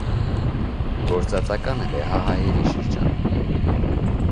Գործածական է լեհահայերի շրջանում։